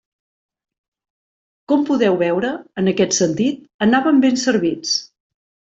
Com podeu veure, en aquest sentit anàvem ben servits.